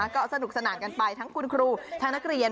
ก็สนุกสนานกันไปทั้งคุณครูทั้งนักเรียน